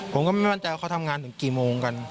ผมก็ไม่มั่นใจว่าเขาทำงานถึงกี่โมงกัน